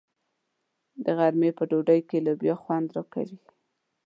د غرمې په ډوډۍ کې لوبیا خوند راکوي.